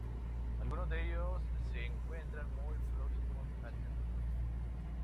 Algunos de ellos se encuentran muy próximos al centro turístico.